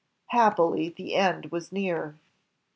Happily the end was near.